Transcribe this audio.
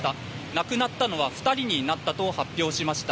亡くなったのは２人になったと発表しました。